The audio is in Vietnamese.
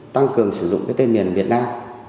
tăng cường sử dụng cái tên miệng việt nam